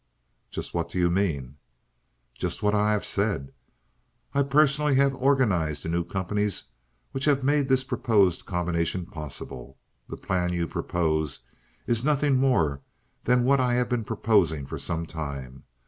"Just what do you mean?" "Just what I have said. I personally have organized the new companies which have made this proposed combination possible. The plan you propose is nothing more than what I have been proposing for some time.